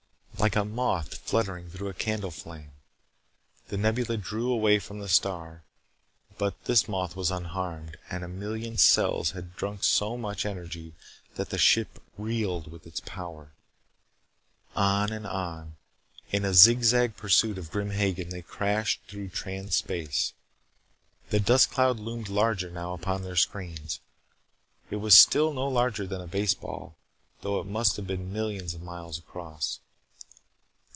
Like a moth fluttering through a candle flame, The Nebula drew away from the star. But this moth was unharmed and a million cells had drunk so much energy that the ship reeled with its power. On and on. In zig zag pursuit of Grim Hagen, they crashed through Trans Space. The dust cloud loomed larger now upon their screens. It was still no larger than a baseball, though it must have been millions of miles across.